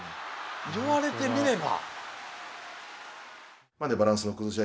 言われてみれば。